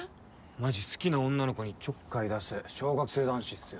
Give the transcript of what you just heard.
マジ好きな女の子にちょっかい出す小学生男子っすよ